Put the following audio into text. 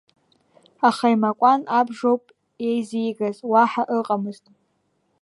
Аха имакәан абжоуп иеизигаз, уаҳа ыҟамызт.